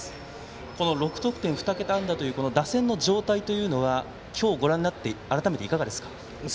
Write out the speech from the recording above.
この６得点２桁安打という打線の状態は、今日ご覧になって改めて、いかがですか。